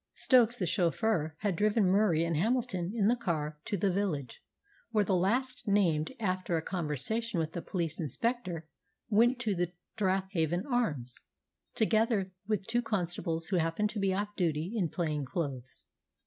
Stokes the chauffeur had driven Murie and Hamilton in the car down to the village, where the last named, after a conversation with the police inspector, went to the "Strathavon Arms," together with two constables who happened to be off duty, in plain clothes.